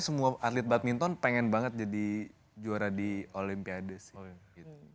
semua atlet badminton pengen banget jadi juara di olimpiade sih